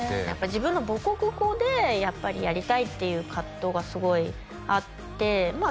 自分の母国語でやっぱりやりたいっていう葛藤がすごいあってまあ